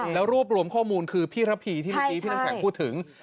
แล้วรวบรวมข้อมูลคือพี่ระพีที่พี่นักแข่งพูดถึง